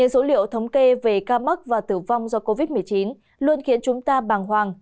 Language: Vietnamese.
số liệu thống kê về ca mắc và tử vong do covid một mươi chín luôn khiến chúng ta bàng hoàng